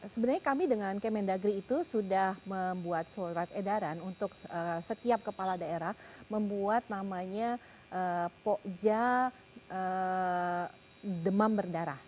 sebenarnya kami dengan kemendagri itu sudah membuat surat edaran untuk setiap kepala daerah membuat namanya pokja demam berdarah